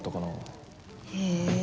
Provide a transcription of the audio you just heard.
へえ